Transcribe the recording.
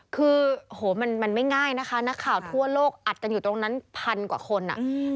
คือโหมันไม่ง่ายนะคะนักข่าวทั่วโลกอัดกันอยู่ตรงนั้นพันกว่าคนอ่ะ